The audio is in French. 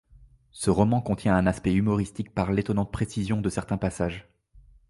Ce roman contient un aspect humoristique par l'étonnante précision de certain passage.